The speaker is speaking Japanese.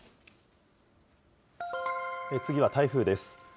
次は台風です。